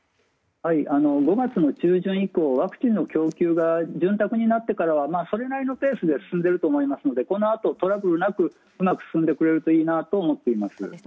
５月中旬以降ワクチンの供給が潤沢になってからはそれなりのペースで進んでいると思いますのでこのあとトラブルなくうまく進んでくれるといいなと思っています。